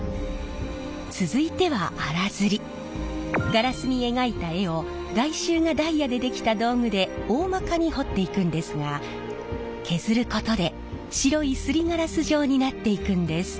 ガラスに描いた絵を外周がダイヤで出来た道具でおおまかに彫っていくんですが削ることで白いすりガラス状になっていくんです。